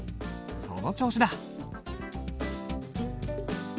その調子だ。